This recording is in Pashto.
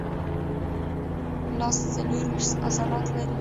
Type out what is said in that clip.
لاس څلورویشت عضلات لري.